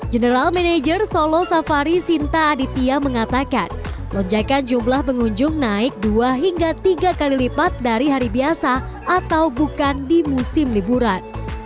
general manager solo safari sinta aditya mengatakan lonjakan jumlah pengunjung naik dua hingga tiga kali lipat dari hari biasa atau bukan di musim liburan